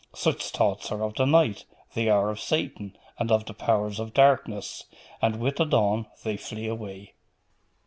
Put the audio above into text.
such thoughts are of the night, the hour of Satan and of the powers of darkness; and with the dawn they flee away.